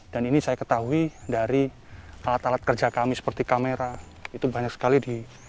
dan ini saya ketahui dari alat alat kerja kami seperti kamera itu banyak sekali di